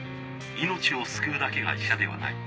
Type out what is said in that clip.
命を救うだけが医者ではない。